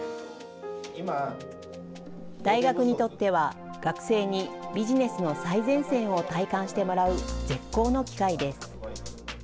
大学にとっては、学生にビジネスの最前線を体感してもらう絶好の機会です。